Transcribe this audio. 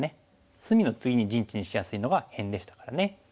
隅の次に陣地にしやすいのが辺でしたからね。